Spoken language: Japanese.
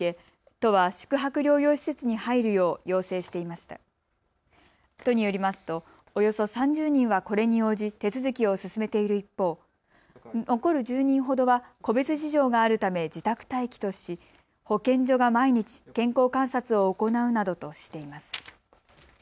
都によりますとおよそ３０人はこれに応じ手続きを進めている一方、残る１０人ほどは個別事情があるため自宅待機とし保健所が毎日、健康観察を行うなどとしています。